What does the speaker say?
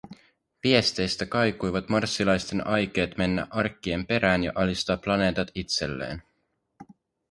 Viesteistä kaikuivat Marssilasten aikeet mennä arkkien perään ja alistaa planeetat itselleen.